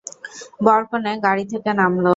বরকনে গাড়ি থেকে নামল।